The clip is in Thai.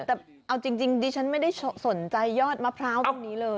แต่เอาจริงดิฉันไม่ได้สนใจยอดมะพร้าวตรงนี้เลย